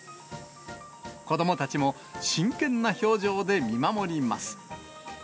子どもたちも、真剣な表情で見守ります。